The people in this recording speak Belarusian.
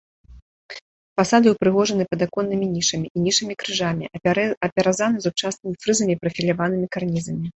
Фасады ўпрыгожаны падаконнымі нішамі і нішамі-крыжамі, апяразаны зубчастымі фрызамі і прафіляванымі карнізамі.